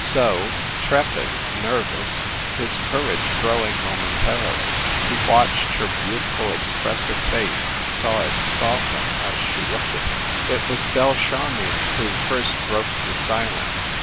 So, trepid, nervous, his cour age growing momentarily, he watched her beautiful expressive face, saw it soften as she looked at him. THE BREWSTER MANSION 325 It was Belle Charmion who first broke the silence.